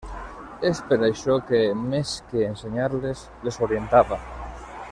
És per això que, més que ensenyar-les, les orientava.